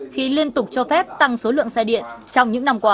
khi liên tục cho phép tăng số lượng xe điện trong những năm qua